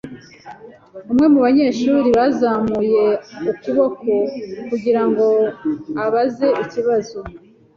Umwe mu banyeshuri yazamuye ukuboko kugira ngo abaze ikibazo.